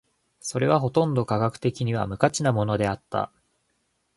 それはほとんど科学的には無価値なものであった。